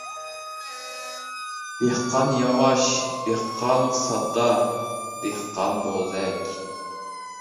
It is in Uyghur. دېھقان ياۋاش، دېھقان ساددا، دېھقان بوزەك.